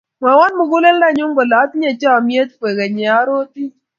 mwowon muguleldo nyu kole atinye chomiet kwekeny ye arotin